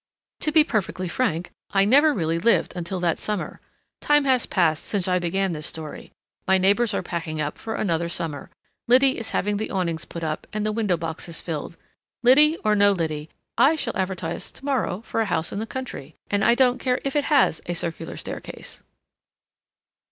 To be perfectly frank, I never really lived until that summer. Time has passed since I began this story. My neighbors are packing up for another summer. Liddy is having the awnings put up, and the window boxes filled. Liddy or no Liddy, I shall advertise to morrow for a house in the country, and I don't care if it has a Circular Staircase.